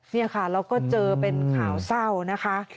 นี่ค่ะเราก็เจอเป็นข่าวเศร้านะคะ